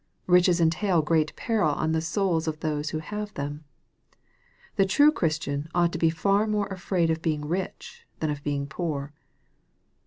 Riches entail great peril on the souls of those who have them. The true Christian ought to be far more afraid of being rich than of being poor.